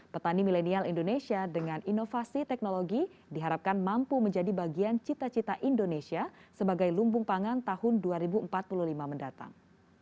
petani milenial indonesia dengan inovasi teknologi diharapkan mampu menjadi bagian cita cita indonesia sebagai lumbung pangan tahun dua ribu empat puluh lima mendatang